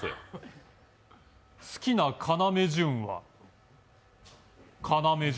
好きな要潤は、要潤。